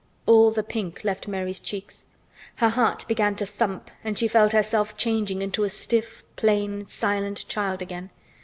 All the pink left Mary's cheeks. Her heart began to thump and she felt herself changing into a stiff, plain, silent child again.